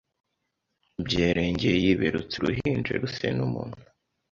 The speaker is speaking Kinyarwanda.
byerengiye yiberutse uruhinje ruse nu muntu.